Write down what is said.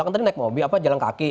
kan tadi naik mobil apa jalan kaki